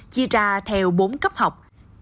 chia ra theo bốn cấp học